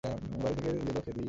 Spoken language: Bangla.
বাড়ি থেকে দিলে খেদিয়ে।